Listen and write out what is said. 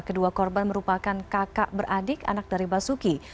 kedua korban merupakan kakak beradik anak dari basuki